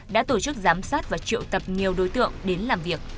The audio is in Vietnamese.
đã tổ chức giám sát và triệu tập nhiều đối tượng đến làm việc